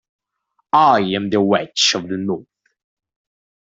I am the Witch of the North.